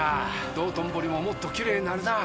道頓堀ももっときれいになるなぁ。